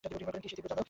কী সে তীব্র আলো!